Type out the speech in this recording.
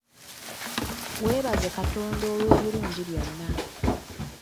Weebaze Katonda olw'ebirungi byonna .